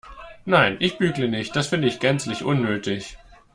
Nein, ich bügle nicht, das finde ich gänzlich unnötig.